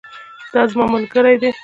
دا زما ملګری دی